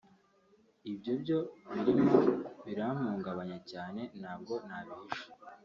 Ibyo byo birimo birampungabanya cyane ntabwo nabihisha